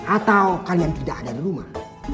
atau kalian tidak ada di rumah